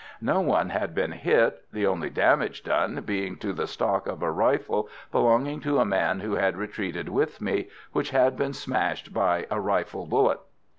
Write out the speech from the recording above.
No one had been hit, the only damage done being to the stock of a rifle belonging to a man who had retreated with me, which had been smashed by a rifle bullet.